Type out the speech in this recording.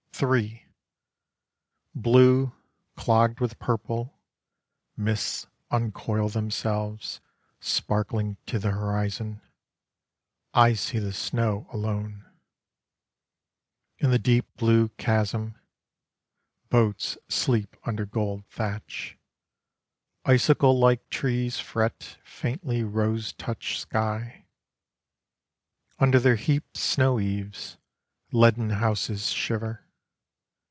III Blue, clogged with purple, Mists uncoil themselves: Sparkling to the horizon, I see the snow alone. In the deep blue chasm, Boats sleep under gold thatch; Icicle like trees fret Faintly rose touched sky. Under their heaped snow eaves, Leaden houses shiver.